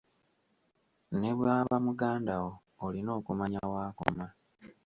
Ne bw'aba mugandawo, olina okumanya w'akoma.